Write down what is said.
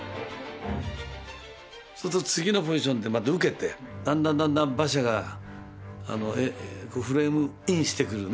そうすると次のポジションでまた受けてだんだんだんだん馬車がフレームインしてくるね